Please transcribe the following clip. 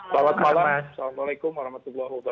selamat malam assalamualaikum wr wb